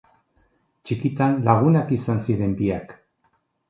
Txikitan lagunak izan ziren biak.